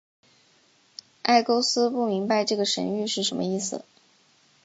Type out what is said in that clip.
埃勾斯不明白这个神谕是什么意思。